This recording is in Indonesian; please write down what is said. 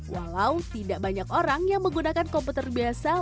walau tidak banyak orang yang menggunakan komputer biasa